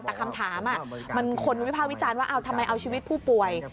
แต่คำถามมันคนวิภาควิจารณ์ว่าทำไมเอาชีวิตผู้ป่วย